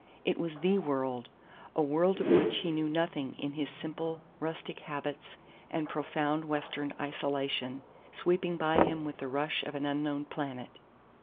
It was THE world a world of which he knew nothing in his simple, rustic habits and profound Western isolation sweeping by him with the rush of an unknown planet.